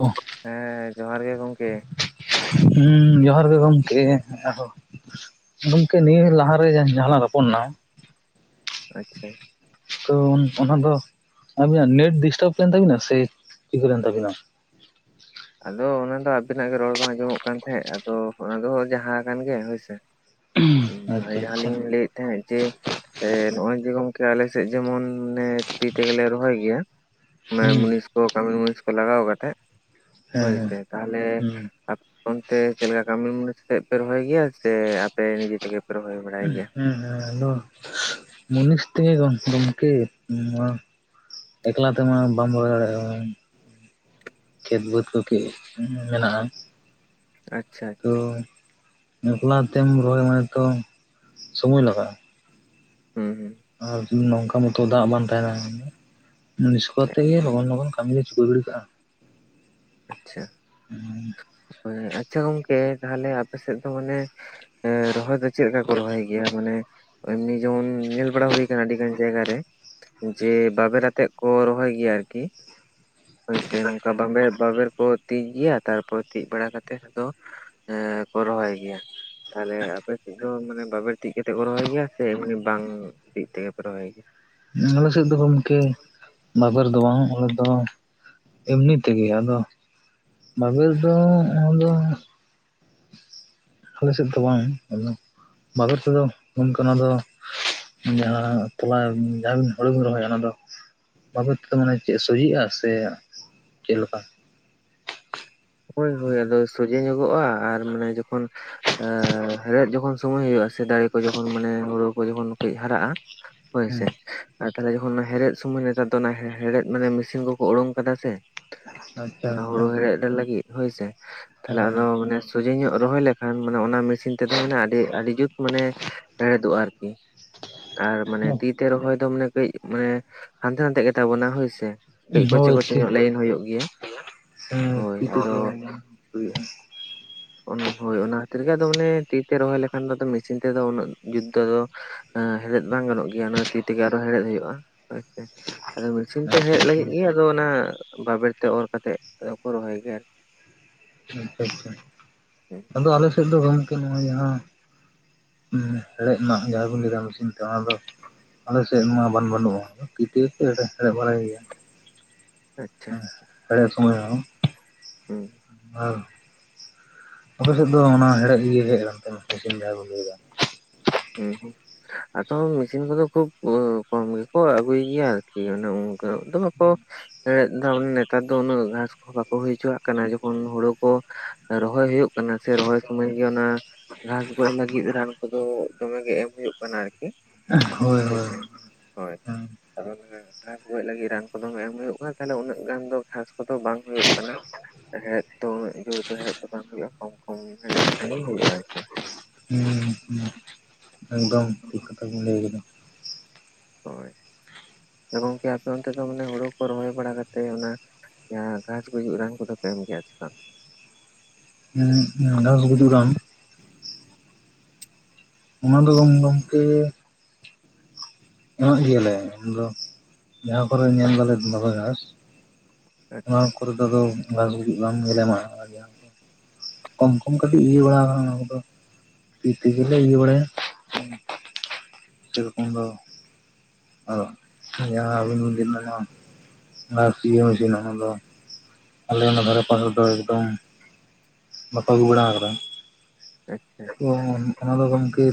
ᱚᱦ ᱦᱮᱸᱻ ᱡᱚᱦᱟᱨ ᱜᱮ ᱜᱚᱝᱠᱮ ᱦᱮᱸᱻ ᱡᱚᱦᱟᱨ ᱜᱮ ᱜᱚᱝᱠᱮ ᱟᱨᱦᱚᱸ ᱾ ᱜᱚᱝᱠᱮ ᱱᱤᱭᱟᱹ ᱞᱟᱦᱟᱨᱮ ᱡᱟᱦᱟᱸ ᱞᱟᱝ ᱨᱚᱯᱚᱲ ᱞᱮᱱᱟ ᱟᱪᱪᱷᱟ ᱛᱚ ᱚᱱᱟᱫᱚ ᱟᱵᱤᱱᱟᱜ ᱱᱮᱴ ᱰᱤᱥᱴᱟᱵ ᱞᱮᱱ ᱛᱟᱵᱤᱱᱟ ᱥᱮ ᱪᱤᱠᱟᱹ ᱞᱮᱱ ᱛᱟᱵᱤᱱᱟ ᱟᱫᱚ ᱚᱱᱟ ᱫᱚ ᱟᱵᱤᱱᱟᱜ ᱜᱮ ᱨᱚᱲ ᱵᱟᱝ ᱟᱸᱡᱚᱢᱚᱜ ᱠᱟᱱ ᱛᱟᱦᱮᱸᱫ ᱟᱫᱚ ᱚᱱᱟ ᱫᱚ ᱡᱟᱦᱟᱸ ᱟᱠᱟᱱ ᱜᱮ ᱦᱚᱭᱥᱮ ᱟᱪᱪᱷᱟ ᱡᱟᱦᱟᱸ ᱟᱪᱪᱷᱟ ᱞᱤᱧ ᱞᱟᱹᱭᱮᱫ ᱛᱟᱦᱮᱸᱜ ᱡᱮ ᱱᱚᱜᱼᱚᱭ ᱡᱮ ᱜᱚᱝᱠᱮ ᱟᱞᱮ ᱥᱮᱫ ᱡᱮᱢᱚᱱ ᱢᱟᱱᱮ ᱛᱤ ᱛᱮᱜᱮᱞᱮ ᱨᱚᱦᱚᱭ ᱜᱮᱭᱟ ᱢᱟᱱᱮ ᱦᱩᱸ ᱢᱩᱱᱤᱥ ᱠᱚ ᱠᱟᱹᱢᱤ ᱢᱩᱱᱤᱥ ᱠᱚ ᱞᱟᱜᱟᱣ ᱠᱟᱛᱮᱜ ᱦᱮᱸ ᱦᱳᱭ ᱦᱮᱸ ᱥᱮ ᱛᱟᱦᱚᱞᱮ ᱦᱩᱸ ᱟ ᱚᱱᱛᱮ ᱪᱮᱫ ᱞᱮᱠᱟ ᱠᱟᱹᱢᱤ ᱢᱩᱱᱤᱥ ᱟᱛᱮᱫ ᱯᱮ ᱨᱚᱦᱚᱭ ᱜᱮᱭᱟ ᱥᱮ ᱟᱯᱮ ᱱᱤᱡᱮ ᱛᱮᱜᱮ ᱯᱮ ᱨᱚᱦᱚᱭ ᱵᱟᱲᱟᱭ ᱦᱮᱸ ᱜᱮᱭᱟ ᱦᱩᱸ ᱟᱞᱮᱫᱚ ᱢᱩᱱᱤᱥ ᱛᱮᱜᱮ ᱜᱚᱢᱠᱮ ᱱᱚᱣᱟ ᱮᱠᱞᱟ ᱛᱮᱢᱟ ᱵᱟᱢ ᱨᱚᱦᱚᱭ ᱫᱟᱲᱮᱭᱟᱜᱼᱟ ᱠᱷᱮᱛ ᱵᱟᱹᱫᱽ ᱠᱚ ᱠᱤ ᱢᱮᱱᱟᱜᱼᱟ ᱟᱪᱪᱷᱟ ᱛᱚ ᱟᱪᱪᱷᱟ ᱮᱠᱞᱟ ᱛᱮᱢ ᱨᱚᱦᱚᱭ ᱢᱟᱱᱮ ᱛᱚ ᱥᱚᱢᱚᱭ ᱞᱟᱜᱟᱜᱼᱟ ᱦᱩᱸ ᱦᱩᱸ ᱟᱨ ᱱᱚᱝᱠᱟ ᱢᱟᱛᱚ ᱫᱟᱜ ᱵᱟᱝ ᱛᱟᱦᱮᱸᱱᱟ ᱥᱮ ᱢᱩᱱᱤᱥ ᱠᱚ ᱛᱮᱜᱮ ᱞᱚᱜᱚᱱ ᱞᱚᱜᱚᱱ ᱠᱟᱹᱢᱤ ᱪᱩᱠᱟᱹᱣ ᱜᱤᱰᱤ ᱠᱟᱜᱼᱟ ᱟᱪᱪᱷᱟ, ᱟᱪᱷᱟ ᱜᱚᱝᱠᱮ ᱛᱟᱦᱞᱮ ᱟᱯᱮ ᱥᱮᱫ ᱫᱚ ᱢᱟᱱᱮ ᱮᱻ ᱨᱚᱦᱚᱭ ᱫᱚ ᱪᱮᱫ ᱞᱮᱠᱟ ᱠᱚ ᱨᱚᱦᱚᱭ ᱜᱮᱭᱟ, ᱢᱟᱱᱮ ᱮᱢᱱᱤ ᱡᱮᱢᱚᱱ ᱧᱮᱞ ᱵᱟᱲᱟ ᱦᱩᱭ ᱟᱠᱟᱱᱟ ᱟᱹᱰᱤ ᱜᱟᱱ ᱡᱟᱭᱜᱟ ᱨᱮ ᱡᱮ ᱵᱟᱵᱮᱨ ᱟᱛᱮᱜ ᱠᱚ ᱨᱚᱦᱚᱭ ᱜᱮᱭᱟ ᱟᱨᱠᱤ ᱦᱳᱭᱥᱮ ᱱᱚᱝᱠᱟ ᱵᱟᱵᱮᱨ ᱵᱟᱵᱮᱨ ᱠᱚ ᱛᱤᱡ ᱜᱮᱭᱟ ᱛᱟᱨᱯᱚᱨ ᱛᱤᱡ ᱵᱟᱲᱟ ᱠᱟᱛᱮᱜ ᱟᱫᱚ ᱠᱚ ᱨᱚᱦᱚᱭ ᱜᱮᱭᱟ ᱛᱟᱦᱚᱞᱮ ᱟᱯᱮ ᱥᱮᱫ ᱫᱚ ᱢᱟᱱᱮ ᱵᱟᱵᱮᱨ ᱛᱤᱡ ᱠᱟᱛᱮᱫ ᱠᱚ ᱨᱚᱦᱚᱭ ᱜᱮᱭᱟ ᱥᱮ ᱮᱢᱱᱤ ᱵᱟᱝ ᱛᱤ ᱛᱮᱜᱮ ᱯᱮ ᱨᱚᱦᱚᱭ ᱟᱞᱮ ᱥᱮᱫ ᱫᱚ ᱜᱚᱝᱠᱮ ᱵᱟᱵᱮᱨ ᱫᱚ ᱵᱟᱝ ᱟᱞᱮᱫᱚ ᱮᱢᱱᱤ ᱛᱮᱜᱮ ᱟᱫᱚ ᱵᱟᱵᱮᱨ ᱫᱚ ᱟᱫᱚ ᱟᱞᱮ ᱥᱮᱫ ᱫᱚ ᱵᱟᱝ ᱟᱫᱚ ᱵᱟᱵᱮᱨ ᱛᱮᱫᱚ ᱚᱱᱠᱟᱱᱟᱜ ᱫᱚ, ᱡᱟᱦᱟᱸ ᱛᱚᱞᱟ ᱡᱟᱦᱟᱸ ᱦᱳᱲᱳ ᱵᱤᱱ ᱨᱚᱦᱚᱭᱟ ᱚᱱᱟ ᱫᱚ ᱾ ᱵᱟᱵᱮᱨ ᱛᱮᱫᱚ ᱢᱟᱱᱮ ᱪᱮᱫ ᱥᱚᱦᱤᱜᱼᱟ ᱥᱮ ᱪᱮᱫ ᱞᱮᱠᱟ? ᱦᱚᱭ ᱦᱚᱭ ᱟᱫᱚ ᱥᱚᱡᱷᱮ ᱧᱚᱜᱚᱜᱼᱟ ᱟᱨ ᱢᱟᱱᱮ ᱡᱚᱠᱷᱚᱱ ᱟᱸᱻ ᱦᱮᱲᱦᱮᱫ ᱡᱚᱠᱷᱚᱱ ᱥᱚᱢᱚᱭ ᱦᱩᱭᱩᱜᱼᱟ ᱥᱮ ᱫᱟᱨᱮ ᱠᱚ ᱡᱚᱠᱷᱚᱱ ᱢᱟᱱᱮ ᱦᱳᱲᱳ ᱠᱚ ᱡᱮᱢᱚᱱ ᱦᱟᱨᱟᱜᱼᱟ ᱦᱩᱸ ᱦᱚᱭᱥᱮ ᱟᱨ ᱛᱟᱦᱚᱞᱮ ᱡᱚᱠᱷᱚᱱ ᱚᱱᱟ ᱦᱮᱲᱦᱮᱫ ᱥᱚᱢᱚᱭ ᱱᱮᱛᱟᱨ ᱫᱚ ᱚᱱᱟ ᱦᱮᱲᱦᱮᱫ ᱢᱟᱱᱮ ᱢᱮᱥᱤᱱ ᱠᱚᱠᱚ ᱩᱰᱩᱝ ᱟᱠᱟᱫᱟ ᱥᱮ ᱟᱪᱪᱷᱟ ᱟᱪᱪᱷᱟ ᱦᱳᱲᱳ ᱦᱮᱲᱦᱮᱫ ᱞᱟᱹᱜᱤᱫ ᱦᱚᱭᱥᱮ ᱛᱟᱦᱮᱞᱮ ᱟᱫᱚ ᱥᱚᱡᱷᱮ ᱧᱚᱜ ᱨᱚᱦᱚᱭ ᱞᱮᱠᱷᱟᱱ ᱚᱱᱟ ᱢᱤᱥᱤᱱ ᱛᱮᱫᱚ ᱢᱟᱱᱮ ᱟᱹᱰᱤ ᱟᱹᱰᱤ ᱡᱩᱛ ᱢᱟᱱᱮ ᱦᱮᱲᱦᱮᱫᱚᱜᱼᱟ ᱟᱨᱠᱤ ᱟᱨ ᱢᱟᱱᱮ ᱛᱤ ᱦᱮᱸ ᱛᱮ ᱨᱚᱦᱚᱭ ᱫᱚ ᱢᱟᱱᱮ ᱠᱟᱹᱡ ᱢᱟᱱᱮ ᱦᱟᱱᱛᱮᱼᱱᱟᱦᱛᱮ ᱜᱮᱛᱟ ᱵᱚᱱᱟ ᱦᱚᱭᱥᱮ ᱾ ᱦᱚᱭ ᱛᱤᱡ [unintelligible] ᱦᱳᱭ ᱟᱫᱚ ᱦᱤᱭᱳ-ᱟ. ᱾ ᱦᱚᱭ ᱚᱱᱟ ᱠᱷᱟᱹᱛᱤᱨ ᱜᱮ ᱟᱫᱚ ᱢᱟᱱᱮ ᱛᱤᱛᱮ ᱨᱚᱦᱚᱭ ᱞᱮᱠᱷᱟᱱ ᱫᱚ ᱢᱮᱥᱤᱱ ᱛᱮᱫᱚ ᱩᱱᱟᱹᱜ ᱡᱩᱛ ᱫᱚ ᱦᱮᱲᱦᱮᱫ ᱵᱟᱝ ᱜᱟᱱᱚᱜ ᱜᱮᱭᱟ ᱚᱱᱟ ᱛᱤ ᱛᱮᱜᱮ ᱟᱨᱦᱚᱸ ᱦᱮᱲᱦᱮᱫ ᱦᱩᱭᱩᱜᱼᱟ ᱟᱪᱷᱟ ᱟᱫᱚ ᱢᱤᱥᱤᱱ ᱛᱮ ᱟᱪᱪᱷᱟ ᱦᱮᱡ ᱞᱟᱹᱜᱤᱫ ᱜᱮ ᱟᱫᱚ ᱚᱱᱟ, ᱵᱟᱵᱮᱨ ᱛᱮ ᱚᱨ ᱠᱟᱛᱮᱫ ᱟᱫᱚ ᱠᱚ ᱨᱚᱦᱚᱭ ᱜᱮᱭᱟ? ᱟᱪᱷᱟ ᱟᱫᱚ ᱟᱞᱮ ᱥᱮᱫ ᱫᱚ ᱜᱚᱝᱠᱮ ᱱᱚᱜᱼᱚᱭ ᱡᱟᱦᱟᱸ ᱦᱮᱲᱦᱮᱫ ᱢᱟ ᱡᱟᱦᱟᱸ ᱵᱚᱱ ᱞᱟᱹᱭᱮᱫᱟ ᱢᱮᱥᱤᱱ ᱛᱮ ᱚᱱᱟᱫᱚ ᱟᱞᱮᱥᱮᱫ ᱢᱟ ᱵᱟᱱᱼᱵᱟᱹᱱᱩᱜᱼᱟ ᱛᱤ ᱛᱮ ᱦᱮᱲᱦᱮᱫ ᱵᱟᱲᱟᱭ ᱦᱩᱭᱩᱜᱼᱟ ᱟᱪᱪᱷᱟ ᱦᱮᱲᱦᱮᱫ ᱥᱚᱢᱚᱭ ᱦᱚᱸ ᱦᱩᱸ [unintelligible] ᱟᱯᱮ ᱥᱮᱫ ᱫᱚ ᱚᱱᱟ ᱮᱲᱮᱡ ᱤᱭᱟᱹ [unintelligible] ᱦᱮᱸ ᱟᱫᱚ ᱢᱤᱥᱤᱱ ᱠᱚᱫᱚ ᱠᱷᱩᱵ ᱠᱚᱢ ᱜᱮᱠᱚ ᱟᱹᱜᱩᱭ ᱜᱮᱭᱟ ᱟᱨᱠᱤ ᱚᱱᱟ ᱠᱚᱭᱚᱜ ᱫᱚ ᱵᱟᱠᱚ ᱦᱮᱲᱦᱮᱫ ᱫᱚ ᱱᱮᱛᱟᱨ ᱫᱚ ᱩᱱᱟᱹᱜ ᱜᱷᱟᱥ ᱠᱚᱦᱚᱸ ᱵᱟᱠᱚ ᱦᱳᱭ ᱦᱚᱪᱚᱣᱟᱜ ᱠᱟᱱᱟ, ᱡᱚᱠᱷᱚᱱ ᱦᱳᱲᱳ ᱠᱚ ᱨᱚᱦᱚᱭ ᱦᱳᱭᱳᱜ ᱠᱟᱱᱟ ᱥᱮ ᱨᱚᱦᱚᱭ ᱥᱩᱢᱟᱹᱭ ᱜᱮ ᱚᱱᱟ ᱜᱷᱟᱥ ᱜᱚᱡ ᱞᱟᱹᱜᱤᱫ ᱨᱟᱱ ᱠᱚᱫᱚ ᱫᱚᱢᱮ ᱜᱮ ᱮᱢ ᱦᱳᱭᱳᱜ ᱠᱟᱱᱟ ᱟᱨᱠᱤ ᱦᱳᱭ ᱥᱮ ᱦᱳᱭ ᱟᱫᱚ ᱚᱱᱟ ᱜᱷᱟᱥ ᱜᱚᱡ ᱞᱟᱹᱜᱤᱫ ᱨᱟᱱ ᱠᱚᱫᱚ ᱮᱢ ᱦᱳᱭᱳᱜ ᱠᱟᱱ ᱫᱚ ᱛᱟᱦᱚᱞᱮ ᱩᱱᱟᱹᱜ ᱜᱟᱱ ᱫᱚ ᱜᱷᱟᱥ ᱠᱚᱫᱚ ᱵᱟᱝ ᱦᱳᱭᱳᱜ ᱠᱟᱱᱟ᱾ ᱦᱮᱲᱮᱫ ᱛᱚ ᱩᱱᱟᱹᱜ ᱡᱳᱨ ᱫᱚ ᱦᱮᱲᱮᱫ ᱫᱚ ᱵᱟᱝ ᱦᱳᱭᱳᱜᱼᱟ ᱠᱚᱢ ᱠᱚᱢ ᱦᱮᱲᱦᱮᱫ ᱠᱟᱹᱢᱤ ᱦᱳᱭᱳᱜᱼᱟ ᱟᱨᱠᱤ᱾ ᱦᱩ ᱦᱩ ᱮᱠᱫᱚᱢ ᱴᱷᱤᱠ ᱠᱟᱛᱷᱟ ᱵᱤᱱ ᱞᱟᱹᱭ ᱠᱟᱫᱟ᱾ ᱦᱳᱭ ᱛᱚ ᱜᱚᱢᱠᱮ ᱟᱯᱮ ᱚᱱᱛᱮ ᱫᱚ ᱢᱟᱱᱮ ᱦᱳᱲᱳ ᱠᱚ ᱨᱚᱦᱚᱭ ᱵᱟᱲᱟ ᱠᱟᱛᱮ ᱚᱱᱟ ᱡᱟᱦᱟ ᱜᱷᱟᱥ ᱜᱩᱡᱩᱜ ᱨᱟᱱ ᱠᱚᱫᱚ ᱠᱚ ᱮᱢ ᱜᱮᱭᱟ ᱥᱮ ᱵᱟᱝ? ᱦᱮᱸ ᱜᱷᱟᱡ ᱜᱩᱡᱩᱜ ᱨᱟᱱ ᱚᱱᱟ ᱫᱚ ᱵᱟᱝ ᱜᱚᱢᱠᱮ ᱮᱢᱟᱜ ᱜᱮᱭᱟᱞᱮ ᱟᱫᱚ ᱡᱟᱦᱟᱸ ᱠᱚᱨᱮ ᱧᱮᱞ ᱫᱟᱞᱮ ᱫᱚᱢᱮ ᱜᱷᱟᱥ ᱟᱪᱪᱷᱟ ᱚᱱᱟ ᱠᱚᱨᱮ ᱫᱚ ᱟᱫᱚ ᱜᱷᱟᱥ ᱜᱩᱡᱩᱜ ᱨᱟᱱ ᱜᱮᱞᱮ ᱮᱟᱢᱟᱜ-ᱟ [unintelligible] ᱠᱚᱢ ᱠᱚᱢ ᱠᱟᱹᱴᱤᱡ ᱤᱭᱟᱹ ᱵᱟᱲᱟ ᱚᱱᱟ ᱠᱚᱫᱚ ᱛᱤ ᱛᱮᱜᱮᱞᱮ ᱤᱭᱟᱹ ᱵᱟᱲᱟᱭᱟ [unintelligible] ᱜᱷᱟᱥ ᱤᱭᱟᱹ ᱢᱮᱥᱤᱱ ᱚᱱᱟ ᱫᱚ ᱟᱞᱮ ᱚᱱᱟ ᱫᱷᱟᱨᱮ ᱯᱟᱥ ᱨᱮᱫᱚ ᱮᱠᱫᱚᱢ ᱵᱟᱠᱚ ᱟᱹᱜᱩ ᱵᱟᱲᱟ ᱠᱟᱫᱟ? ᱟᱪᱪᱷᱟ ᱛᱚ ᱚᱱᱟ ᱫᱚ ᱜᱚᱢᱠᱮ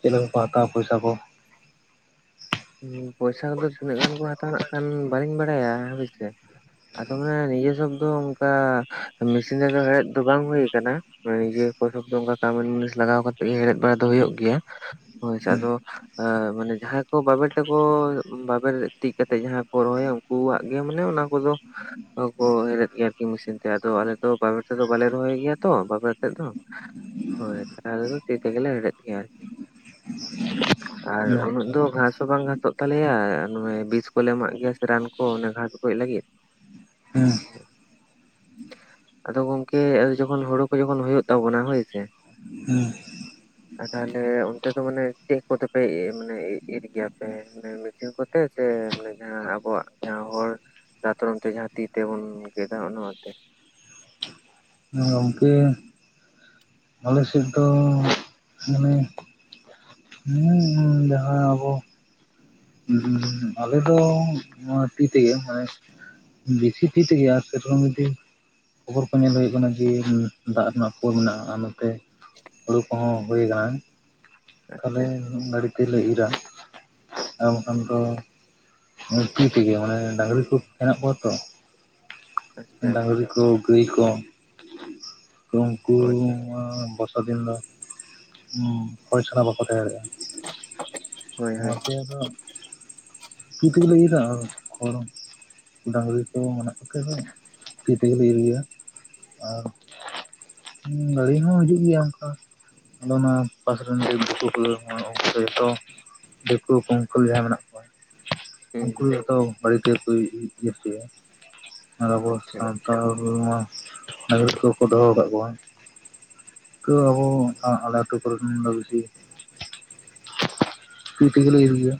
ᱪᱮᱫ ᱞᱮᱠᱟ ᱠᱚ ᱦᱟᱛᱟᱣᱟ ᱯᱚᱭᱥᱟ ᱠᱚ? ᱯᱚᱭᱥᱟ ᱠᱚᱫᱚ ᱛᱤᱱᱟᱹᱜ ᱜᱟᱱ ᱠᱚ ᱦᱟᱛᱟᱣᱟ ᱱᱟᱜ ᱠᱷᱟᱱ ᱵᱟᱹᱞᱤᱧ ᱵᱟᱲᱟᱭᱟ ᱦᱳᱭ ᱥᱮ᱾ ᱟᱫᱚ ᱢᱟᱱᱮ ᱱᱤᱡᱮ ᱥᱚᱵ ᱫᱚ ᱚᱱᱠᱟ ᱢᱮᱥᱤᱱ ᱨᱮᱫᱚ ᱦᱮᱲᱦᱮᱫ ᱫᱚ ᱵᱟᱝ ᱦᱳᱭ ᱠᱟᱱᱟ᱾ ᱱᱤᱡᱮ ᱠᱚ ᱥᱚᱵ ᱫᱚ ᱚᱱᱠᱟ ᱠᱟᱢᱤᱱ ᱢᱩᱱᱤᱥ ᱞᱟᱜᱟᱣ ᱠᱟᱛᱮᱜ ᱜᱮ ᱦᱮᱲᱦᱮᱫ ᱵᱟᱲᱟ ᱫᱚ ᱦᱳᱭᱳᱜ ᱜᱮᱭᱟ᱾ ᱦᱳᱭ ᱥᱮ ᱟᱫᱚ ᱢᱟᱱᱮ ᱡᱟᱦᱟᱸ ᱵᱟᱵᱮᱨ ᱛᱮᱠᱚ ᱵᱟᱵᱮᱨ ᱛᱤᱡ ᱠᱟᱛᱮᱜ ᱡᱟᱦᱟᱸ ᱠᱚ ᱨᱚᱦᱚᱭᱟ ᱩᱱᱠᱩᱣᱟᱜ ᱜᱮ ᱢᱟᱱᱮ ᱚᱱᱟ ᱠᱚᱫᱚ ᱠᱚ ᱦᱮᱲᱦᱮᱫ ᱜᱮᱭᱟ ᱟᱨᱠᱤ ᱢᱮᱥᱤᱱ ᱛᱮ ᱟᱫᱚ ᱟᱞᱮ ᱫᱚ ᱵᱟᱵᱮᱨ ᱛᱮᱫᱚ ᱵᱟᱞᱮ ᱨᱚᱦᱚᱭ ᱜᱮᱭᱟ ᱛᱚ ᱵᱟᱵᱮᱨ ᱛᱮᱫ ᱫᱚ᱾ ᱦᱳᱭ ᱟᱞᱮ ᱫᱚ ᱛᱤ ᱛᱮᱜᱮᱞᱮ ᱦᱮᱲᱦᱮᱫ ᱜᱮᱭᱟ ᱟᱨᱠᱤ ᱟᱨ ᱩᱱᱟᱹᱜ ᱟᱪᱪᱷᱟ ᱫᱚ᱾ ᱜᱷᱟᱥ ᱦᱚᱸ ᱵᱟᱝ ᱜᱷᱟᱥᱚᱜ ᱛᱟᱞᱮᱭᱟ ᱱᱚᱭᱮ ᱵᱤᱥ ᱠᱚᱞᱮ ᱮᱢᱟᱜ ᱜᱮᱭᱟ ᱥᱮ ᱨᱟᱱ ᱠᱚ ᱚᱱᱮ ᱜᱷᱟᱥ ᱜᱚᱡ ᱞᱟᱹᱜᱤᱫ᱾ [inaudible] ᱦᱮᱸ [inaudible] ᱟᱫᱚ ᱜᱚᱝᱠᱮ ᱡᱚᱠᱷᱚᱱ ᱦᱳᱲᱳ ᱠᱚ ᱡᱚᱠᱷᱚᱱ ᱦᱳᱭᱳᱜ ᱛᱟᱵᱚᱱᱟ ᱦᱳᱭ ᱥᱮ᱾ ᱦᱮᱸ ᱛᱟᱦᱚᱞᱮ ᱚᱱᱛᱮ ᱫᱚ ᱢᱟᱱᱮ ᱪᱮᱫ ᱠᱚᱛᱮ ᱯᱮ ᱢᱟᱱᱮ ᱤᱨ ᱜᱮᱭᱟᱯᱮ ᱢᱟᱱᱮ ᱢᱮᱥᱤᱱ ᱠᱚᱛᱮ ᱥᱮ ᱢᱟᱱᱮ ᱡᱟᱦᱟᱸ ᱟᱵᱚᱣᱟᱜ ᱡᱟᱦᱟᱸ ᱦᱚᱲ ᱫᱟᱛᱨᱚᱢ ᱛᱮ ᱡᱟᱦᱟᱸ ᱛᱤ ᱛᱮᱵᱚᱱ ᱜᱮᱫᱟ ᱚᱱᱟᱛᱮ? ᱜᱚᱢᱠᱮ ᱟᱞᱮ ᱥᱮᱫ ᱫᱚ ᱢᱟᱱᱮ ᱡᱟᱦᱟᱸ ᱟᱵᱚ ᱟᱞᱮ ᱫᱚ ᱱᱚᱣᱟ ᱛᱤ ᱛᱮᱜᱮ ᱢᱟᱱᱮ ᱵᱮᱥᱤ ᱛᱤ ᱛᱮᱜᱮ ᱟᱨᱠᱤ ᱛᱚᱠᱷᱚᱱ ᱡᱩᱫᱤ ᱠᱷᱚᱵᱚᱨ ᱠᱚ ᱧᱮᱞ ᱦᱳᱭᱳᱜ ᱠᱟᱱᱟ ᱡᱮ ᱫᱟᱜ ᱨᱮᱱᱟᱜ ᱯᱚᱨ ᱢᱮᱱᱟᱜᱼᱟ ᱱᱚᱛᱮ, ᱦᱳᱲᱳ ᱠᱚᱦᱚᱸ ᱦᱳᱭ ᱠᱟᱱᱟ, ᱛᱟᱦᱞᱮ ᱟᱪᱪᱷᱟ ᱜᱟᱲᱤ ᱛᱮᱞᱮ ᱤᱨᱟ᱾ ᱟᱨ ᱵᱟᱝᱠᱷᱟᱱ ᱫᱚ ᱛᱤ ᱛᱮᱜᱮ ᱢᱟᱱᱮ ᱰᱟᱝᱨᱤ ᱠᱚ ᱦᱮᱱᱟᱜ ᱠᱚᱣᱟ ᱛᱚ᱾ ᱟᱪᱪᱷᱟ ᱰᱟᱝᱨᱤ ᱠᱚ, ᱜᱟᱹᱭ ᱠᱚ, ᱩᱱᱠᱩ ᱦᱳᱭ ᱦᱳᱭ ᱵᱚᱨᱥᱟ ᱫᱤᱱ ᱫᱚ ᱚᱠᱚᱭᱥᱟᱞᱟ ᱵᱟᱠᱚ ᱛᱟᱦᱮᱸ ᱫᱟᱲᱮᱜᱼᱟ᱾ ᱦᱳᱭ ᱚᱱᱟ ᱦᱳᱭ ᱛᱮ ᱟᱫᱚ ᱤᱛᱩᱧ ᱞᱮᱫᱟ ᱠᱷᱚᱲ ᱦᱚᱸ ᱰᱟᱝᱨᱤ ᱠᱚ ᱢᱮᱱᱟᱜ ᱠᱚᱛᱮ ᱫᱚ ᱛᱤ ᱛᱮᱜᱮᱞᱮ ᱤᱨ ᱜᱮᱭᱟ ᱟᱨ ᱜᱟᱹᱲᱤ ᱦᱚᱸ ᱦᱤᱡᱩᱜ ᱜᱮᱭᱟ ᱚᱱᱠᱟ᱾ ᱟᱫᱚ ᱱᱚᱶᱟ ᱯᱟᱥᱮᱨᱮ ᱨᱮᱱ ᱜᱮ ᱫᱤᱠᱩ ᱠᱚ ᱩᱱᱠᱩ ᱫᱚ ᱡᱚᱛᱚ ᱫᱤᱠᱩ ᱠᱚ [unintelligible] ᱡᱟᱦᱟᱸᱭ ᱢᱮᱱᱟᱜ ᱠᱚᱣᱟ ᱩᱱᱠᱩ ᱦᱩᱸ ᱫᱚ ᱜᱟᱹᱲᱤ ᱛᱮᱜᱮ ᱠᱚ ᱤᱨ ᱦᱚᱪᱚᱭᱟ᱾ ᱟᱨ ᱟᱵᱚ ᱟᱪᱪᱷᱟ ᱥᱟᱱᱛᱟᱲ ᱦᱚᱸ ᱢᱟ ᱰᱟᱺᱝᱨᱤ ᱠᱚᱠᱚ ᱫᱚᱦᱚ ᱟᱠᱟᱜ ᱠᱚᱣᱟ ᱠᱟᱹᱡ ᱨᱮᱦᱚ ᱟᱞᱮ ᱟᱹᱛᱩ ᱠᱚᱨᱮ ᱫᱚ ᱵᱮᱥᱤ ᱛᱤ ᱛᱮᱜᱮ ᱞᱮ ᱤᱨ ᱜᱤᱭᱟ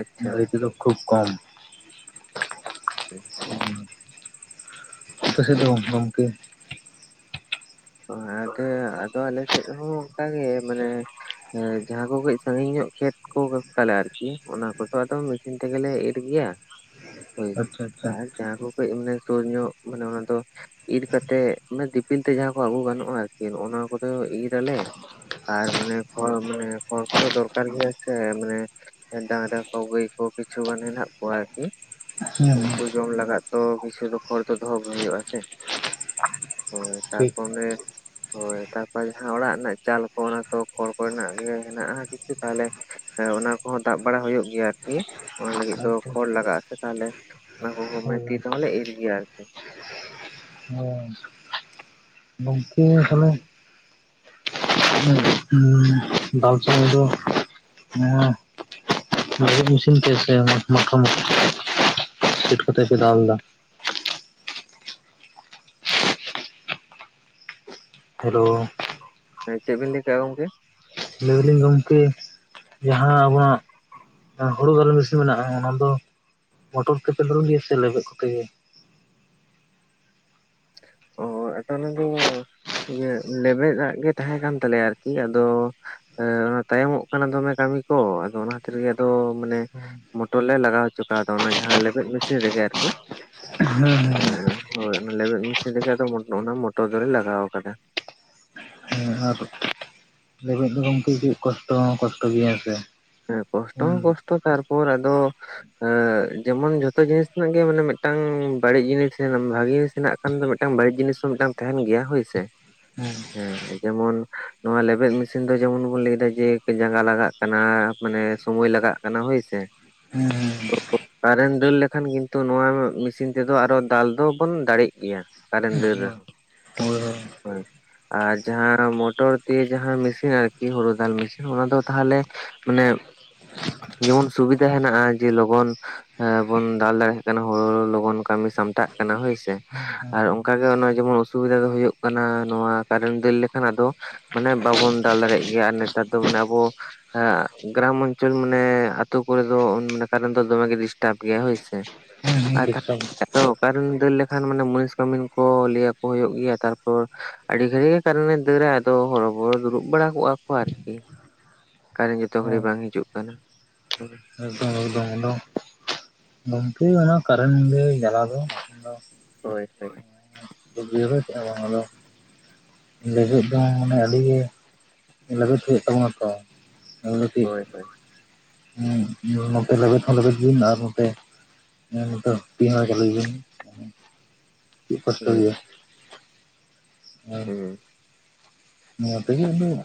ᱟᱪᱪᱷᱟ ᱜᱟᱹᱲᱤ ᱛᱮ ᱫᱚ ᱠᱷᱩᱵ ᱠᱚᱢ [inaudible] ᱟᱯᱟᱥᱮᱫ ᱫᱚ ᱜᱚᱝ ᱜᱚᱝᱠᱮ [unintelligible] ᱟᱫᱮ, ᱟᱫᱚ ᱟᱞᱮ ᱥᱮᱫ ᱦᱚᱸ ᱚᱱᱠᱟ ᱜᱮ ᱢᱟᱱᱮ ᱮᱸ ᱡᱟᱦᱟᱸ ᱠᱚ ᱠᱟᱹᱡ ᱥᱟᱺᱜᱤᱧ ᱧᱚᱜ ᱠᱷᱮᱛ ᱠᱚ ᱛᱟᱞᱮ ᱟᱨᱠᱤ ᱚᱱᱟ ᱠᱚᱫᱚ ᱟᱫᱚ ᱢᱮᱥᱤᱱ ᱛᱮᱜᱮᱞᱮ ᱤᱨ ᱜᱮᱭᱟ᱾ ᱦᱳᱭ ᱟᱪᱪᱷᱟ ᱟᱪᱪᱷᱟ ᱟᱨ ᱡᱟᱦᱟᱸ ᱠᱚ ᱠᱟᱹᱡ ᱢᱟᱱᱮ ᱥᱳᱨ ᱧᱚᱜ ᱢᱟᱱᱮ ᱚᱱᱟ ᱫᱚ, ᱤᱨ ᱠᱟᱛᱮᱜ ᱚᱱᱮ ᱫᱤᱯᱤᱞ ᱛᱮ ᱡᱟᱦᱟᱸ ᱠᱚ ᱟᱹᱜᱩ ᱜᱟᱱᱚᱜᱼᱟ ᱟᱨᱠᱤ ᱚᱱᱟ ᱠᱚᱫᱚ ᱤᱨ ᱟᱞᱮ᱾ ᱟᱨ ᱢᱟᱱᱮ ᱠᱷᱚᱲ ᱢᱟᱱᱮ ᱠᱷᱚᱲ ᱠᱚᱫᱚ ᱫᱚᱨᱠᱟᱨ ᱜᱮ ᱟ ᱥᱮ ᱢᱟᱱᱮ ᱰᱟᱝᱨᱟ ᱠᱚ ᱜᱟᱹᱭ ᱠᱚ ᱠᱤᱪᱷᱩ ᱜᱟᱱ ᱦᱮᱱᱟᱜ ᱠᱚᱣᱟ ᱟᱨᱠᱤ᱾ ᱦᱮᱸ ᱦᱩᱭ ᱡᱚᱢ ᱞᱟᱜᱟᱫ ᱛᱚ ᱠᱤᱪᱷᱩ ᱫᱚ ᱠᱷᱚᱲ ᱫᱚ ᱫᱚᱦᱚ ᱜᱮ ᱦᱩᱭᱩᱜᱼᱟ ᱥᱮ᱾ ᱦᱳᱭ ᱛᱟᱨ ᱴᱷᱤᱠ [unintelligible] ᱦᱳᱭ ᱛᱟᱨᱯᱚᱨᱮ ᱡᱟᱦᱟᱸ ᱚᱲᱟᱜ ᱨᱮᱱᱟᱜ ᱪᱟᱞ ᱠᱚ ᱚᱱᱟ ᱠᱚ ᱠᱷᱚᱲ ᱠᱚᱨᱮᱱᱟᱜ ᱜᱮ ᱦᱮᱱᱟᱜᱼᱟ ᱠᱤᱪᱷᱩ ᱛᱟᱦᱚᱞᱮ ᱮ ᱚᱱᱟ ᱠᱚᱦᱚᱸ ᱫᱟᱵ ᱵᱟᱲᱟ ᱦᱩᱭᱩᱜ ᱜᱮᱭᱟ ᱟᱨᱠᱤ ᱚᱱᱟ ᱞᱟᱹᱜᱤᱫ ᱫᱚ ᱮᱠᱫᱚᱢ ᱠᱷᱚᱲ ᱞᱟᱜᱟᱜ ᱟᱥᱮ ᱛᱟᱦᱞᱮ᱾ ᱦᱳᱭ [unintelligible] ᱛᱤ ᱛᱮᱦᱚᱞᱮ ᱮᱤᱨ ᱜᱮᱭᱟ ᱟᱨᱠᱤ [unintelligible] ᱮᱱᱠᱮ ᱜᱮ ᱛᱟᱦᱞᱮ ᱫᱟᱞ [unintelligible] [unintelligible] ᱦᱮᱞᱳ ᱪᱮᱜ ᱵᱤᱱ ᱞᱮᱣ ᱠᱮᱫᱟ ᱜᱚᱝᱠᱮ ᱞᱮᱭ ᱫᱟᱞᱤᱝ ᱜᱚᱝᱠᱮ ᱡᱟᱦᱟᱸ ᱟᱢᱟᱜ ᱦᱳᱲᱳ ᱜᱟᱞᱮ ᱢᱮᱤᱥᱤᱱ ᱢᱮᱱᱟᱜᱼᱟ ᱚᱱᱟ ᱫᱚ ᱢᱚᱴᱚᱨ ᱛᱮᱯᱮ [unintelligible] ᱜᱮᱭᱟ ᱥᱮ ᱞᱮᱵᱮᱫ ᱛᱮ ᱚ [unintelligible] ᱫᱚ ᱤᱭᱟᱹ ᱞᱮᱵᱮᱫᱟᱜ ᱜᱮ ᱛᱟᱦᱮᱸ ᱠᱟᱱ ᱛᱟᱞᱮᱭᱟ ᱟᱨᱠᱤ ᱟᱫᱚ ᱮ ᱚᱱᱟ ᱛᱟᱭᱚᱢᱚᱜ ᱠᱟᱱᱟ ᱫᱚᱢᱮ ᱠᱟᱹᱢᱤ ᱠᱚ ᱟᱫᱚ ᱚᱱᱟ ᱠᱷᱟᱹᱛᱤᱨ ᱜᱮ ᱟᱫᱚ ᱢᱟᱱᱮ ᱦᱮᱸ ᱢᱚᱴᱚᱨ ᱞᱮ ᱞᱟᱜᱟᱣ ᱦᱚᱪᱚ ᱠᱟᱣᱫᱟ ᱚᱱᱟ ᱡᱟᱦᱟᱸ ᱞᱮᱵᱮᱫ ᱢᱮᱥᱤᱱ ᱨᱮᱜᱮ ᱟᱨᱠᱤ ᱦᱳᱭ ᱦᱳᱭ [unintelligible] ᱚᱱᱟ ᱞᱮᱵᱮᱫ ᱢᱮᱥᱤᱱ ᱨᱮᱜ ᱟᱫᱚ ᱚᱱᱟ ᱢᱚᱴᱚᱨ ᱫᱚᱞᱮ ᱞᱟᱜᱟᱣ ᱟᱠᱟᱫᱟ ᱦᱮᱸ ᱟᱨ ᱜᱚᱢᱠ ᱠᱟᱹᱪ ᱠᱚᱥᱴᱚ ᱦᱚᱸ ᱠᱚᱥᱴᱚ ᱜᱮᱭᱟ ᱦᱮᱸ ᱥᱮ ᱦᱮᱸ ᱠᱚᱥᱴᱚ ᱦᱚᱸ ᱦᱩᱸ ᱠᱚᱥᱴᱚ ᱛᱟᱨᱯᱚᱨ ᱟᱫᱚ ᱦᱮᱸ ᱡᱮᱢᱚᱱ ᱡᱷᱚᱛᱚ ᱡᱤᱱᱤᱥ ᱨᱮᱱᱟᱜ ᱜᱮ ᱢᱟᱱᱮ ᱢᱮᱫᱴᱟᱝ ᱵᱟᱹᱲᱤᱡ ᱡᱤᱱᱤᱥ ᱵᱷᱟᱜᱤ ᱡᱤᱱᱤᱥ ᱦᱮᱱᱟᱜ ᱠᱷᱟᱱ ᱫᱚ ᱢᱤᱫᱴᱟᱝ ᱵᱟᱹᱲᱤᱡ ᱡᱤᱱᱤᱥ ᱦᱚᱸ ᱢᱤᱫᱴᱟᱝ ᱛᱟᱦᱮᱱ ᱜᱮᱭᱟ ᱦᱳᱭ ᱥᱮ ᱦᱮᱸ ᱡᱮᱢᱚᱱ ᱱᱚᱣᱟ ᱞᱮᱵᱮᱫ ᱢᱮᱥᱤᱱ ᱫᱚ ᱡᱮᱢᱚᱱ ᱵᱚᱱ ᱞᱟᱹᱭ ᱮᱟ ᱡᱮ ᱡᱟᱸᱜᱟ ᱞᱟᱜᱟᱜ ᱠᱟᱱᱟ ᱢᱟᱱᱮ ᱥᱳᱚᱢᱚᱭ ᱞᱟᱜᱟᱜ ᱠᱟᱱᱟ ᱦᱳᱭᱥᱮ ᱦᱮᱸ ᱦᱩᱸ [unintelligible] ᱠᱟᱨᱮᱱ ᱫᱟᱹᱲ ᱞᱮᱠᱷᱟᱱ ᱠᱤᱱᱛᱩ ᱱᱚᱣᱟ ᱢᱤᱥᱤᱱ ᱛᱮᱫᱚ ᱟᱨᱚ ᱫᱟᱞ ᱫᱚᱵᱚᱱ ᱫᱟᱲᱮᱜ ᱜᱮᱭᱟ ᱠᱟᱨᱮᱱ ᱫᱟᱹᱲ ᱦᱳᱭ ᱨᱮᱸᱦᱚᱸ ᱦᱳᱭ ᱟᱨ ᱡᱟᱦᱟᱸ ᱢᱚᱴᱚᱨ ᱫᱤᱭᱮ ᱡᱟᱦᱟᱸ ᱢᱮᱥᱤᱱ ᱟᱨᱠᱤ ᱦᱩᱲᱩ ᱫᱟᱞ ᱢᱮᱥᱤᱱ ᱚᱱᱟ ᱫᱚ ᱛᱟᱦᱟᱞᱮ ᱢᱟᱱᱮ ᱡᱮᱢᱚᱱ ᱥᱩᱵᱤᱫᱷᱟ ᱦᱮᱱᱟᱜᱼᱟ ᱡᱮ ᱞᱚᱜᱚᱱ ᱦᱮᱸ ᱵᱚᱱ ᱫᱟᱞ ᱫᱟᱲᱮᱭᱟᱜ ᱠᱟᱱᱟ [unintelligible] ᱞᱚᱜᱚᱱ ᱠᱟᱹᱢᱤ ᱥᱟᱢᱴᱟᱜ ᱠᱟᱱᱟ ᱦᱳᱭᱥᱮ ᱟᱨ ᱦᱮᱸ ᱚᱱᱠᱟᱜᱮ ᱚᱱᱟ ᱡᱮᱢᱚᱱ ᱚᱥᱩᱵᱤᱫᱷᱟ ᱫᱚ ᱦᱩᱭᱩᱜ ᱠᱟᱱᱟ ᱱᱚᱣᱟ ᱠᱟᱨᱮᱱ ᱫᱟ. ᱞ ᱞᱮᱠᱷᱱ ᱟᱫᱚ ᱢᱟᱱᱮ ᱵᱟᱵᱚᱱ ᱫᱟᱞ ᱫᱟᱲᱮᱭᱟᱜ ᱜᱮᱭᱟ ᱟᱨ ᱱᱮᱛᱟᱨ ᱫᱚ ᱢᱟᱱᱮ ᱟᱵᱚ ᱮᱟᱻ ᱜᱨᱟᱢ ᱚᱧᱪᱚᱞ ᱢᱟᱱᱮ ᱟᱹᱛᱩ ᱠᱚᱨᱮ ᱫᱚ ᱚᱱᱠᱟ ᱨᱮ ᱫᱚ ᱫᱚᱢᱮᱜᱮ ᱰᱤᱥᱴᱟᱵ ᱜᱮᱭᱟ ᱦᱳᱭᱥᱮ, ᱦᱮᱸ ᱟᱨ ᱛᱷᱟ ᱰᱤᱥᱴᱟᱵ ᱟᱫᱚ ᱚᱠᱟ ᱨᱮᱱ ᱫᱟᱹᱲ ᱞᱮᱠᱷᱟᱱ ᱢᱟᱱᱮ ᱢᱩᱱᱤᱥ ᱠᱟᱹᱢᱤᱱ ᱠᱚ ᱞᱟᱹᱭ ᱟᱠᱚ ᱜᱮᱭᱟ ᱦᱩᱭᱩᱜ ᱜᱮᱭᱟ ᱛᱟᱨᱯᱚᱨ ᱟᱹᱰᱤ ᱜᱷᱟᱹᱲᱤ ᱜᱮ ᱠᱟᱨᱮᱱᱮ ᱫᱟᱹᱨᱟ ᱟᱫᱚ ᱦᱚᱨᱚᱵᱚᱨᱚ ᱫᱩᱲᱩᱵ ᱵᱟᱲᱟ ᱠᱚᱜᱼᱟ ᱠᱚ ᱟᱨᱠᱤ ᱠᱟᱨᱮᱱᱴ ᱛᱚ ᱜᱷᱩᱲᱤ ᱵᱟᱝ ᱦᱤᱡᱩᱜ ᱠᱟᱱᱟ, ᱮᱜᱫᱚᱢ ᱮᱜᱫᱚᱢ ᱩᱱᱫᱚ ᱠᱷᱩᱱᱴᱤ ᱚᱱᱟ ᱠᱟᱨᱮᱱ ᱜᱮ ᱡᱟᱞᱟ ᱫᱚ ᱦᱮᱞᱳ ᱦᱳᱭ ᱦᱳᱭ [unintelligible] ᱦᱚ ᱵᱟᱝ ᱟᱫᱚ ᱞᱮᱵᱮᱫ ᱫᱚ ᱢᱟᱱᱮ ᱟᱹᱰᱤ ᱜᱮ ᱞᱮᱵᱮᱫ ᱦᱩᱭᱩᱜ ᱛᱟᱵᱚᱱᱟ ᱛᱚ ᱦᱳᱭ ᱦᱳᱭ [unintelligible] ᱱᱚᱛᱮ ᱞᱮᱵᱮᱫ ᱦᱚᱸ ᱞᱮᱵᱮᱫ ᱵᱤᱱ ᱟᱨ ᱱᱚᱛᱮ [inaudible] [inaudible] ᱦᱩᱸ [inaudible] ᱦᱩᱸ ᱚᱱᱟ ᱛᱮᱜᱮ ᱩᱱᱟ.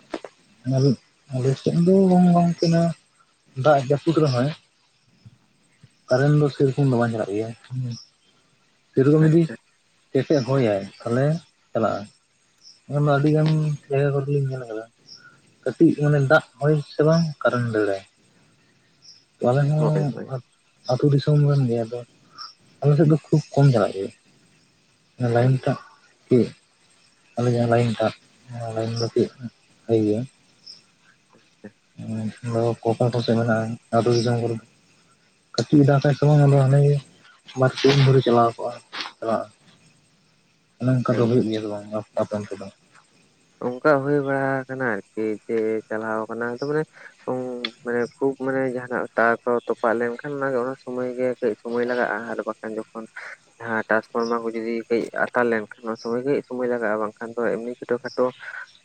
ᱟᱞᱮ ᱟᱞᱮᱥᱮᱱ ᱫᱚ ᱵᱟᱝ ᱵᱟᱝ ᱛᱮᱱᱟ, ᱫᱟᱜ ᱡᱟᱯᱩᱫ ᱨᱮᱦᱚᱸᱭ, ᱠᱟᱨᱮᱱ ᱫᱚ ᱥᱮᱨᱚᱠᱚᱢ ᱫᱚ ᱵᱟᱝ ᱪᱟᱞᱟᱜ ᱜᱮᱭᱟ ᱥᱮᱨᱚᱠᱚᱢ ᱡᱩᱫᱤ ᱟᱪᱪᱷᱟ ᱠᱮᱴᱮᱡ ᱦᱚᱭᱟᱭ ᱛᱷᱟᱞᱮ ᱪᱟᱞᱟᱜᱼᱟ ᱚᱱᱟ ᱢᱟ ᱟᱹᱰᱤ ᱜᱟᱱ ᱡᱟᱭᱜᱟ ᱠᱚᱨᱮ ᱞᱤᱧ ᱧᱮᱞ ᱠᱟᱫᱟ ᱾ ᱠᱟᱴᱤᱡ ᱢᱟᱱᱮ ᱫᱟᱜ ᱦᱚᱭ ᱥᱮ ᱵᱟᱝ ᱠᱟᱨᱮᱱ ᱫᱟᱹᱲᱟᱭ ᱦᱚᱭ ᱦᱚᱸ ᱦᱚᱭ ᱟᱹᱛᱩ ᱫᱤᱥᱚᱢ ᱨᱮ ᱱᱤᱭᱟᱹ ᱫᱚ ᱟᱞᱮ ᱥᱮᱫ ᱫᱚ ᱠᱷᱩᱵ ᱠᱚᱢ ᱪᱟᱞᱟᱜ ᱜᱮᱭᱟ ᱚᱱᱟ ᱟᱪᱪᱷᱟ ᱞᱟᱭᱤᱱᱴᱟᱜ ᱜᱤ ᱚᱱᱮ ᱡᱟᱦᱟ ᱞᱟᱭᱤᱱ ᱴᱟᱜ ᱚᱱᱟᱞᱟᱭᱤᱱ ᱞᱟᱹᱜᱤᱫ ᱵᱷᱟ ᱫᱚ ᱚᱠᱟ ᱠᱚ ᱥᱮᱫ ᱢᱮᱱᱟᱜᱼᱟ ᱟᱹᱛᱩ ᱫᱤᱥᱚᱢ ᱠᱚᱨᱮ [inaudible] [inaudible] ᱢᱟᱛᱠᱚᱢ ᱫᱟᱨᱮ ᱪᱟᱞᱟᱣᱠᱚᱜᱼᱟ ᱚᱱᱮ ᱚᱱᱠᱟ ᱫᱚ ᱦᱩᱭᱩᱜ ᱮᱠᱫᱚᱢ ᱜᱮᱭᱟ ᱥᱮ ᱵᱟᱝ ᱟᱯ ᱟᱯᱮ ᱚᱱᱛᱮᱫᱚ, ᱚᱱᱠᱟ ᱦᱩᱭ ᱵᱟᱲᱟ ᱠᱟᱱᱟ ᱟᱨᱠᱤ ᱡᱮ ᱪᱟᱞᱟᱣ ᱠᱟᱱᱟ ᱛᱟᱯᱚᱨᱮ- ᱩᱱ ᱢᱟᱱᱮ ᱠᱷᱩᱵ ᱢᱟᱱᱮ ᱡᱟᱦᱱᱟᱜ ᱛᱟᱨ ᱠᱚ ᱛᱚᱯᱟᱜ ᱞᱮᱱᱠᱷᱟᱱ ᱚᱱᱟᱜᱮ ᱚᱱᱟ ᱥᱚᱢᱟᱭ ᱜᱮ ᱠᱟᱹᱡ ᱥᱚᱢᱚᱭ ᱞᱟᱜᱟᱜᱼᱟ ᱟᱨ ᱵᱟᱝᱠᱷᱟᱱ ᱡᱚᱠᱷᱚᱱ ᱡᱟᱦᱟ ᱴᱟᱥᱯᱷᱟᱨᱢᱟ ᱠᱚ ᱡᱩᱫᱤ ᱠᱟ. ᱡ ᱟᱛᱟᱨ ᱞᱮᱱᱠᱷᱟᱱ ᱩᱱ ᱥᱚᱢᱚᱭ ᱜᱮ ᱥᱚᱢᱚᱭ ᱞᱟᱜᱟᱜᱼᱟ ᱵᱟᱝᱠᱷᱟᱱ ᱫᱚ ᱮᱢᱱᱤ ᱛᱮᱫᱚᱦᱟ ᱟᱫᱚ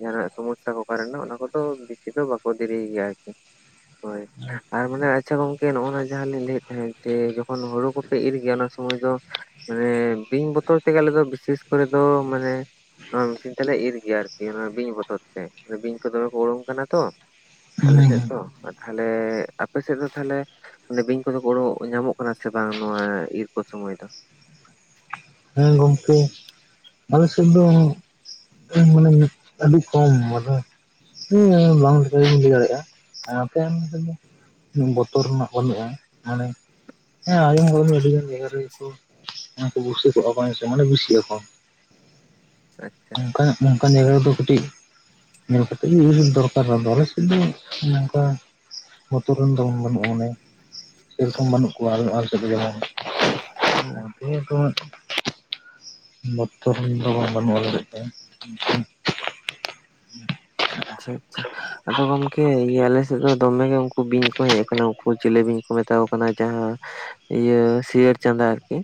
ᱡᱟᱦᱟᱱᱟᱜ ᱥᱚᱢᱚᱥᱥᱟ ᱠᱚ ᱠᱟᱨᱱᱟ ᱚᱱᱟ ᱠᱚᱫᱚ ᱵᱮᱥᱤ ᱫᱚ ᱵᱟᱠᱚ ᱫᱮᱨᱤᱭ ᱜᱮᱭᱟ ᱟᱨᱠᱤ ᱦᱚᱭ ᱟᱨ ᱢᱟᱱᱮ ᱟᱪᱪᱷᱟ ᱜᱚᱝᱠᱮ ᱱᱚᱜᱼᱚᱱᱟ ᱡᱟᱦᱟ ᱞᱤᱧ ᱞᱟᱹᱭᱮᱫ ᱛᱟᱦᱮᱸᱫ ᱡᱮ ᱡᱚᱠᱷᱚᱱ ᱦᱩᱲᱩ ᱠᱚᱯᱮ ᱤᱨ ᱜᱮᱭᱟ ᱚᱱᱟ ᱥᱚᱢᱚᱭ ᱫᱚ ᱢᱟᱱᱮ ᱵᱤᱧ ᱵᱚᱛᱚᱨ ᱛᱮᱜᱮ ᱟᱞᱮ ᱫᱚ ᱵᱤᱥᱮᱥ ᱠᱚᱨᱮ ᱫᱚ ᱢᱟᱱᱮ ᱱᱚᱣᱟ ᱢᱤᱥᱤᱱ ᱛᱮᱞᱮ ᱤᱨ ᱟᱨᱠᱤ ᱚᱱᱟ ᱵᱤᱧ ᱵᱚᱛᱚᱨ ᱛᱮ ᱵᱤᱧ ᱠᱚ ᱫᱚᱢᱮ ᱠᱚ ᱵᱚᱞᱚᱱ ᱠᱟᱱᱟ ᱛᱚ ᱟᱞᱮ ᱦᱩᱸ ᱥᱮᱫ ᱫᱚ ᱟᱨ ᱛᱷᱟᱦᱞᱮ ᱟᱯᱮ ᱥᱮᱫ ᱫᱚ ᱛᱷᱟᱦᱞᱮ ᱵᱤᱧ ᱠᱚᱫᱚ ᱠᱚ ᱚᱰᱟᱠ ᱧᱟᱢᱚᱜ ᱠᱟᱱᱟ ᱥᱮ ᱵᱟᱝ ᱱᱚᱣᱟ ᱤᱨ ᱠᱚ ᱥᱚᱢᱚᱭ ᱫᱚ? ᱦᱮᱸ ᱜᱚᱝᱠᱮ ᱟᱞᱮ ᱥᱮᱫ ᱫᱚ ᱤᱧ ᱢᱟᱱᱮ ᱟᱹᱰᱤ ᱠᱚᱢ ᱢᱟᱱᱮ ᱦᱮᱸ ᱵᱟᱝ ᱞᱮᱠᱟ ᱞᱤᱧ ᱞᱟ. ᱭ ᱫᱟᱲᱮᱜᱼᱟ ᱟᱨ ᱟᱯᱮ ᱚᱱᱛᱮ ᱫᱚ ᱵᱚᱛᱚᱨ ᱨᱮᱱᱟᱜ ᱵᱟᱹᱱᱩᱜᱼᱟ ᱢᱟᱱᱮ ᱦᱮᱸ ᱟᱭᱟᱝ ᱵᱤᱧ ᱫᱚ ᱟᱹᱰᱤ ᱜᱟᱱ ᱡᱟᱭᱜᱟ ᱨᱮᱜᱮ ᱠᱚ ᱵᱩᱥᱟ. ᱠᱚᱜᱼᱟ ᱢᱟᱱᱮ ᱵᱤᱥᱤ ᱭᱟᱠᱚ ᱟᱪᱪᱷᱟ ᱚᱱᱠᱟᱱ ᱡᱟᱭᱜᱟ ᱨᱮᱫᱚ ᱠᱟᱹᱴᱤᱡ ᱧᱮᱞ ᱠᱟᱛᱮ ᱜᱮ ᱤᱨ ᱫᱚ ᱫᱚᱨᱠᱟᱨ ᱟᱫᱚ ᱞᱮᱥᱮᱡ ᱫᱚ ᱱᱚᱝᱠᱟ ᱵᱚᱛᱚᱨ ᱨᱮᱱ ᱫᱚ ᱵᱟᱹᱱᱩᱜᱼᱟ ᱚᱱᱮ ᱥᱮᱨᱚᱠᱚᱢ ᱵᱟᱹᱱᱩᱜ ᱠᱚᱣᱟ ᱟᱨ ᱟᱞᱮᱥᱮᱫ ᱫᱚ ᱡᱮᱢᱚᱱ ᱦᱩᱸ ᱤᱨ ᱠᱚᱦᱚ [unintelligible] ᱫᱚ ᱵᱟᱝ ᱵᱟᱹᱱᱩᱜᱼᱟ ᱟᱞᱮ ᱥᱮᱫ ᱫᱚ। ᱟᱪᱪᱷᱟ ᱟᱪᱪᱷᱟ ᱟᱫᱚ ᱜᱚᱝᱠᱮ ᱤᱭᱟᱹ ᱟᱞᱮᱥᱮᱫ ᱫᱚ ᱫᱚᱢᱮ ᱜᱮ ᱩᱱᱠᱩ ᱵᱤᱧ ᱠᱚ ᱦᱮᱡ ᱟᱠᱟᱱᱟ ᱩᱱᱠᱩ ᱪᱤᱞᱤ ᱵᱤᱧ ᱠᱚ ᱢᱮᱛᱟ ᱠᱚ? ᱚᱱᱟ ᱡᱟᱦᱟᱸ ᱤᱭᱟᱹ ᱥᱤᱭᱟᱹᱲ ᱪᱟᱸᱫᱟ ᱟᱨ ᱠᱤ।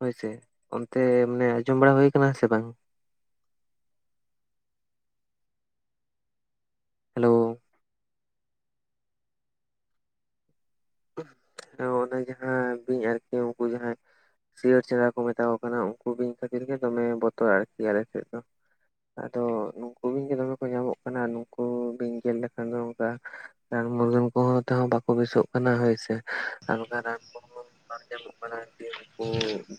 ᱦᱳᱭᱥᱮ ᱚᱱᱛᱮ ᱢᱟᱱᱮ ᱟᱸᱡᱚᱢ ᱵᱟᱲᱟ ᱦᱩᱭ ᱟᱠᱟᱱᱟ ᱥᱮ ᱵᱟᱝ? ᱦᱮᱞᱳ ᱚᱱᱮ ᱡᱟᱸᱦᱟ ᱵᱤᱧ ᱟᱨᱠᱤ ᱩᱱᱠᱩ ᱡᱟᱦᱟᱸ ᱥᱤᱭᱟᱹ [unintelligible] ᱠᱚ ᱢᱮᱛᱟ ᱠᱚ ᱠᱟᱱᱟ ᱩᱱᱠᱩ ᱵᱤᱧ ᱠᱷᱟᱹᱛᱤᱨ ᱜᱮ ᱫᱚᱢᱮ ᱵᱚᱛᱚᱨ ᱟᱨᱠᱤ ᱟᱞᱮ ᱥᱮᱫ ᱫᱚ। ᱟᱫᱚ ᱱᱩᱠᱩ ᱵᱤᱧ ᱜᱮ ᱫᱚᱢᱮ ᱠᱚ ᱧᱟᱢᱚᱜ ᱠᱟᱱᱟ ᱱᱩᱠᱩ ᱵᱤᱧ ᱜᱮᱨ ᱞᱮᱠᱷᱟᱱ ᱫᱚ ᱱᱚᱝᱠᱟ ᱟᱨ ᱢᱩᱞᱟᱹᱱ ᱠᱚᱦᱚ ᱛᱮᱦᱚᱸ ᱵᱟᱠᱚ ᱵᱮᱥᱚᱜ ᱚᱱᱟ ᱦᱳᱭ ᱥᱮ ᱟᱨ ᱚᱱᱠᱟ ᱨᱟᱱ ᱠᱚᱦᱚᱸ ᱵᱟᱝ ᱧᱟᱢᱚᱜ ᱠᱟᱱᱟ ᱟᱨᱠᱤ ᱩᱱᱠᱩ ᱵᱤᱧ